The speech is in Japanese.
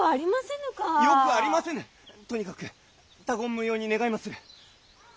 とにかく他言無用に願いまする。